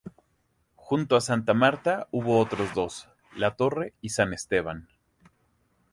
Junto a Santa Marta hubo otros dos, La Torre y San Esteban.